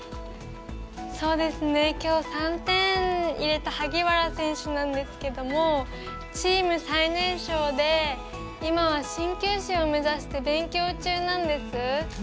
きょう３点入れた萩原選手なんですけれどもチーム最年少で今は、鍼灸師を目指して勉強中なんです。